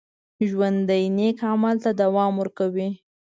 ژوندي نیک عمل ته دوام ورکوي